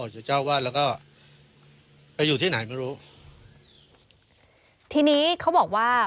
เจ้าวาดแล้วก็ไปอยู่ที่ไหนไม่รู้ทีนี้เขาบอกว่า